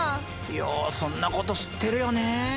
ようそんなこと知ってるよね。